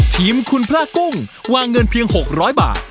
ทีมคุณพระกุ้งวางเงินเพียง๖๐๐บาท